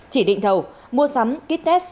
chỉ định thầu mua sắm kit test